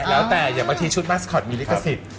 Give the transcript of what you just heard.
แล้วแต่อย่างบางทีชุดมัสคอตมีลิขสิทธิ์